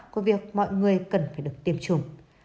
của việc mọi người cần phải được tiêm chủng